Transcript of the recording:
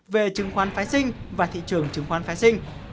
về chứng khoán phái sinh và thị trường chứng khoán phái sinh